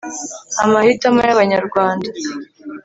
amahitamo y'abanyarwanda